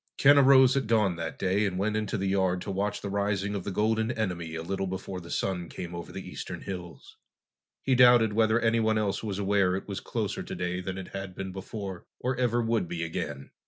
Ken arose at dawn that day and went into the yard to watch the rising of the golden enemy a little before the sun came over the eastern hills. He doubted whether anyone else was aware it was closer today than it had been before, or ever would be again.